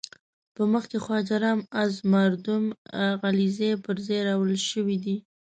په مخ کې خواجه رام از مردم غلزی پر ځای راوړل شوی دی.